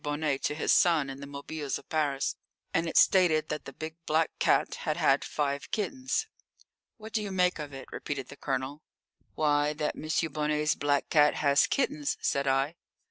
Bonnet to his son in the Mobiles at Paris, and it stated that the big black cat had had five kittens. "What do you make of it?" repeated the Colonel. "Why, that M. Bonnet's black cat has kittens," said I.